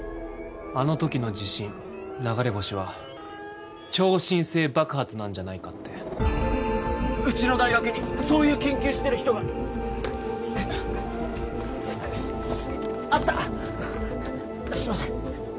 あの時の地震流れ星は超新星爆発なんじゃないかってうちの大学にそういう研究してる人があったすいません